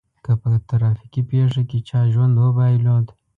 که په ترافيکي پېښه کې چا ژوند وبایلود.